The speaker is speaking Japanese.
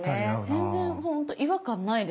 全然ほんと違和感ないです。